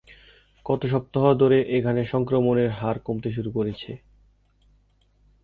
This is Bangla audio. কত সপ্তাহ ধরে এখানে সংক্রমণের হার কমতে শুরু করেছে?